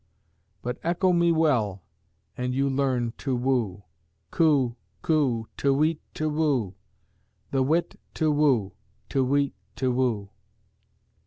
But echo me well, and you learn to woo Coo! coo! te weet tu whu The wit to woo te weet tu whu!